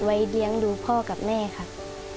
เลี้ยงดูพ่อกับแม่ครับ